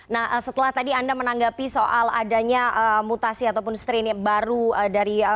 nah setelah tadi anda menanggapi soal adanya mutasi ataupun strain baru dari